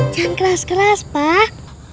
jangan keras keras pak